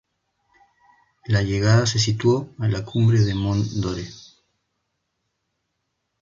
La llegada se situó a la cumbre de Mont Dore.